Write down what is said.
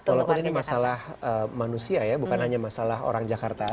walaupun ini masalah manusia ya bukan hanya masalah orang jakarta